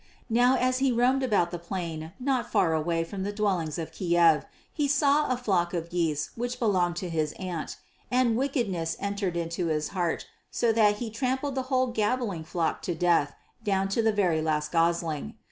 Now as he roamed about the plain not far away from the dwellings of Kiev, he saw a flock of geese which belonged to his aunt; and wickedness entered into his heart, so that he trampled the whole gabbling flock to death down to the very last gosling.